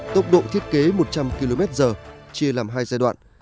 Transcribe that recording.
tốc độ thiết kế một trăm linh km chia làm hai giai đoạn